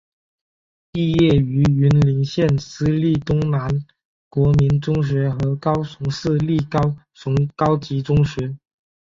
毕业于云林县私立东南国民中学和高雄市立高雄高级中学。